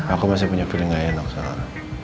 aku masih punya feeling gak enak salah